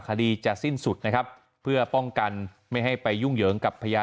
คดีจะสิ้นสุดนะครับเพื่อป้องกันไม่ให้ไปยุ่งเหยิงกับพยาน